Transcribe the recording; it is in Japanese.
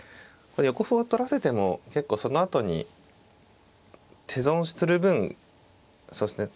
横歩を取らせても結構そのあとに手損する分そうですね。